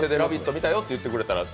見たよって言ってくれたら。